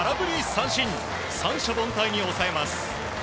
三者凡退に抑えます。